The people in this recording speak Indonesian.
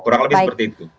kurang lebih seperti itu